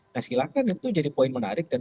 nah silakan itu jadi poin yang paling penting